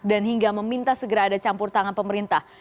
dan hingga meminta segera ada campur tangan pemerintah